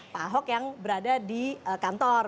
pak ahok yang berada di kantor